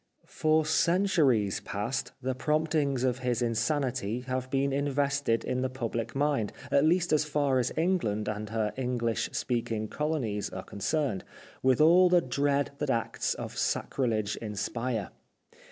For centuries past the promptings of his insanity have been invested in the public mind, at least as far as England and her English speak ing colonies are concerned, with all the dread that acts of sacrilege inspire.